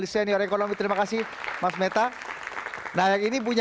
terima kasih pak jk atas waktunya